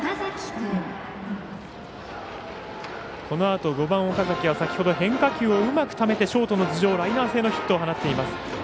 このあと５番岡崎は先ほど変化球をうまくためてショートの頭上ライナー性の当たりを放っています。